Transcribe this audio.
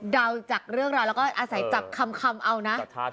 ดาวน์จากเรื่องเราแล้วก็ครับคำอาวเง